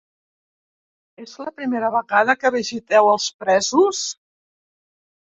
És la primera vegada que visiteu els presos?